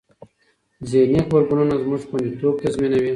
ذهني غبرګونونه زموږ خوندیتوب تضمینوي.